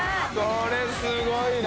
これすごいな。